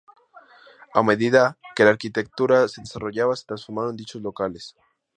A medida que la arquitectura se desarrollaba, se transformaron dichos locales.